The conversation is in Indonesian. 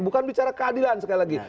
bukan bicara keadilan sekali lagi